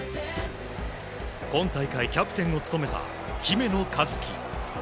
今大会、キャプテンを務めた姫野和樹。